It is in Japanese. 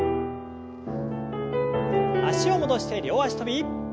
脚を戻して両脚跳び。